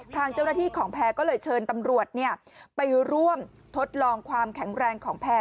ทางเจ้าหน้าที่ของแพร่ก็เลยเชิญตำรวจไปร่วมทดลองความแข็งแรงของแพร่